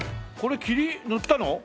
これ桐塗ったの？